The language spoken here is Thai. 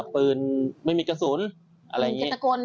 ปืนไม่มีกระสุนอะไรอย่างนี้